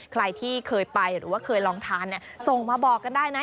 ใครที่เคยไปหรือว่าเคยลองทานส่งมาบอกกันได้นะ